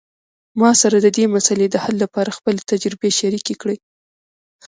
ما سره د دې مسئلې د حل لپاره خپلې تجربې شریکي کړئ